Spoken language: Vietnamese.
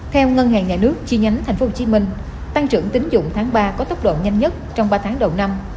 theo ngân hàng nhà nước chi nhánh tp hcm tăng trưởng tính dụng tháng ba có tốc độ nhanh nhất trong ba tháng đầu năm